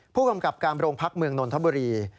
ผู้กำกับการโรงพักเมืองนนทบุรี